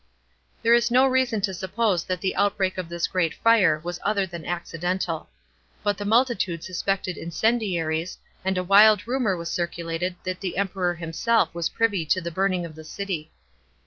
§ 14. There is no reason to suppose that the outbreak of this great fire was other than accidental. But, the multitude suspected incendiaries, and a wild rumour was circulated that the Emperor himself was privy to the burning of the city.